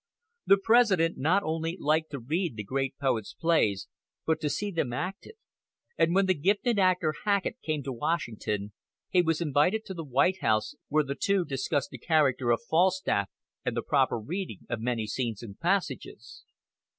The President not only liked to read the great poet's plays, but to see them acted; and when the gifted actor Hackett came to Washington, he was invited to the White House, where the two discussed the character of Falstaff, and the proper reading of many scenes and passages.